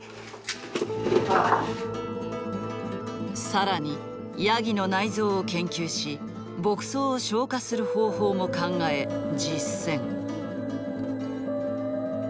更にヤギの内臓を研究し牧草を消化する方法も考え実践。